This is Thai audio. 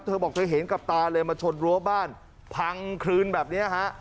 เธอบอกเธอเห็นกับตาเลยมาชนรั้วบ้านพังคลืนแบบนี้ฮะ